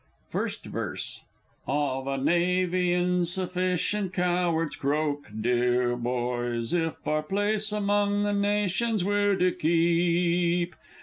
First Verse. Of a Navy insufficient cowards croak, deah boys! If our place among the nations we're to keep.